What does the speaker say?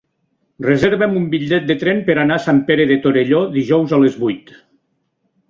Reserva'm un bitllet de tren per anar a Sant Pere de Torelló dijous a les vuit.